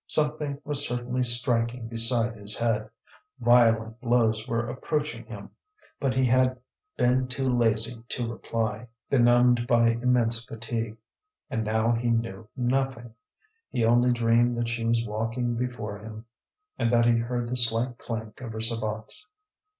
Something was certainly striking beside his head, violent blows were approaching him; but he had been too lazy to reply, benumbed by immense fatigue; and now he knew nothing, he only dreamed that she was walking before him, and that he heard the slight clank of her sabots.